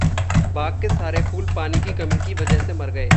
बाग के सारे फूल पानी की कमी की वजह से मर गए।